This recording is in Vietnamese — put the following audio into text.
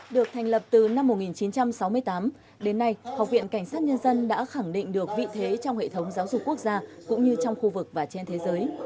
được thành lập từ năm một nghìn chín trăm sáu mươi tám đến nay học viện cảnh sát nhân dân đã khẳng định được vị thế trong hệ thống giáo dục quốc gia cũng như trong khu vực và trên thế giới